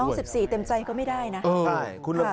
น้องสิบสี่เต็มใจก็ไม่ได้นะ